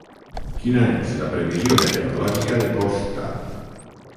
Quina és la previsió meteorològica de Koszta